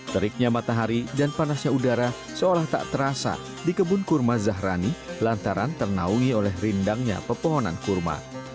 teriknya matahari dan panasnya udara seolah tak terasa di kebun kurma zahrani lantaran ternaungi oleh rindangnya pepohonan kurma